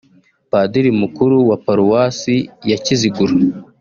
Padiri mukuru wa Paruwasi ya Kiziguro